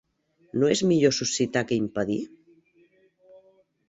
¿No és millor suscitar que impedir.